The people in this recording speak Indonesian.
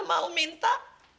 kami malah mau minta